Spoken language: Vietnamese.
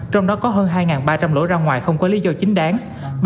trong đó có hơn hai ba trăm linh lỗ ra ngoài không có lý do chính đáng